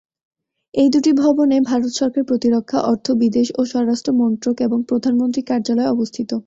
এই দুটি ভবনে ভারত সরকারের প্রতিরক্ষা, অর্থ, বিদেশ ও স্বরাষ্ট্র মন্ত্রক এবং প্রধানমন্ত্রীর কার্যালয় অবস্থিত।